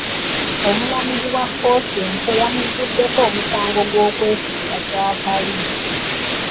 Omulamuzi ya kkooti ento yamugguddeko omusango ogw'okwefuula ky'atali.